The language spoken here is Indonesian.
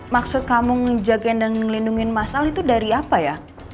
maksud kamu ngejagain dan ngelindungin mas al itu dari apa ya